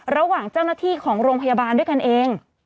ระหว่างเจ้าหน้าที่ของโรงพยาบาลด้วยกันเอง